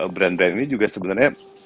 brand brand ini juga sebenarnya